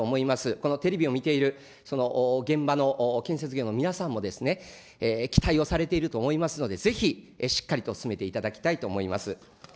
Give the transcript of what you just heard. このテレビを見ている現場の建設業の皆さんも、期待をされていると思いますので、ぜひ、しっかりと進めていただきたいと思います。